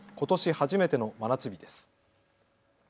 初めての真夏日です。